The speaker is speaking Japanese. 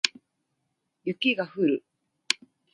雪が降る